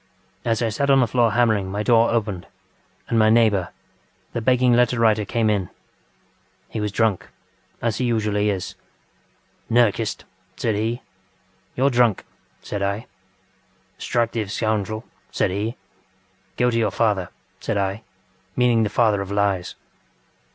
As I sat on the floor hammering, my door opened, and my neighbour, the begging letter writer came in. He was drunkŌĆöas he usually is. ŌĆśNerchist, ŌĆÖ said he. ŌĆśYouŌĆÖre drunk, ŌĆÖ said I. ŌĆśŌĆÖStructive scoundrel, ŌĆÖ said he. ŌĆśGo to your father, ŌĆÖ said I, meaning the Father of Lies.